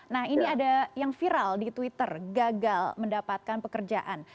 nah ini ada yang viral di twitter gagal mendapatkan pekerjaan